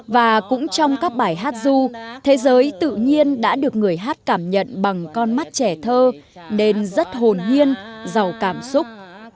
và cũng trong các bài hát du thế giới tự nhiên đã được người hát cảm nhận bằng con mắt trẻ thơ nên rất hồn nhiên giàu cảm xúc